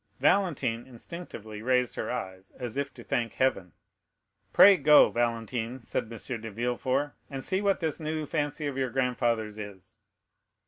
Valentine instinctively raised her eyes, as if to thank heaven. "Pray go, Valentine," said; M. de Villefort, "and see what this new fancy of your grandfather's is."